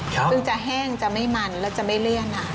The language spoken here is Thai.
คือจะแห้งจะไม่มันและจะไม่เลี้ยน